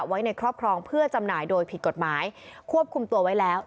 ไว้ในครอบครองเพื่อจำหน่ายโดยผิดกฎหมายควบคุมตัวไว้แล้ว